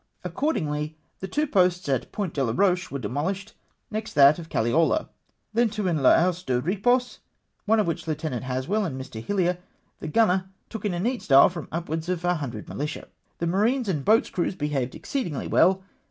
" Accordingly, the two posts at Point Delaroche were demolished, next that of Caliola. Then two in L'Anse de Eepos, one of which Lieutenant Haswell and Mr. Hillier the gunner took in a neat style from upwards of 100 militia. The marines and boats' crews behaved exceedingly well.